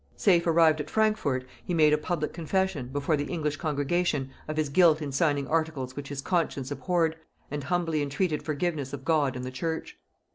Safe arrived at Frankfort, he made a public confession, before the English congregation, of his guilt in signing articles which his conscience abhorred, and humbly entreated forgiveness of God and the church.